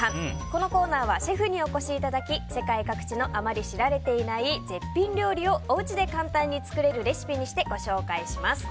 このコーナーはシェフにお越しいただき世界各地のあまり知られていない絶品料理をおうちで簡単に作れるレシピにしてご紹介します。